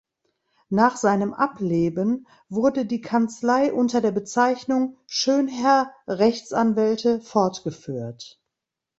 Nach seinem Ableben wurde die Kanzlei unter der Bezeichnung "Schönherr Rechtsanwälte" fortgeführt.